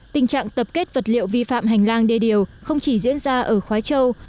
tình trạng tập kết vật liệu vi phạm hành lang đê điều không chỉ diễn ra ở khói châu